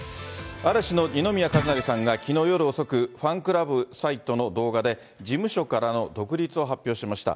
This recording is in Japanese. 嵐の二宮和也さんがきのう夜遅く、ファンクラブサイトの動画で、事務所からの独立を発表しました。